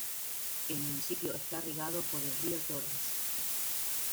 El municipio está regado por el río Tormes.